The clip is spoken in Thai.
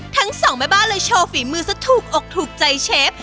ทั้งสองแม่บ้านเลยโชว์ฝีมือซะถูกอกถูกใจเชฟ